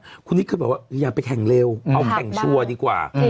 จริงค่ะคุณนี่คือแบบว่าอย่าไปแข่งเร็วเอาแข่งชัวร์ดีกว่า